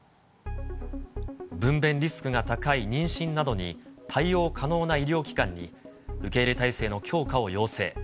分べんリスクが高い妊娠などに、対応可能な医療機関に、受け入れ態勢の強化を要請。